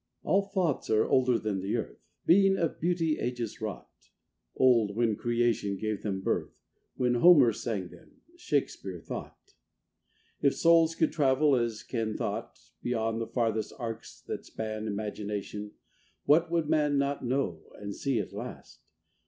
All thoughts are older than the Earth Being of beauty ages wrought; Old when creation gave them birth, When Homer sang them, Shakespeare thought. II If souls could travel as can thought, Beyond the farthest arcs that span Imagination, what would man Not know and see at last?